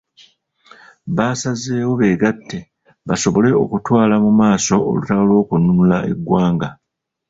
Basazewo beegatte basobole okutwala mu maaso olutalo lw'okununula eggwanga.